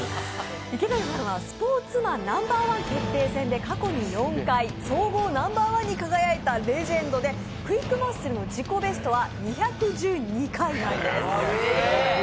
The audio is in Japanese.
池谷さんは「スポーツマンＮｏ．１決定戦」で過去に４回総合ナンバーワンに輝いたレジェンドでＱＵＩＣＫＭＵＳＣＬＥの自己ベストは２１２回なんです。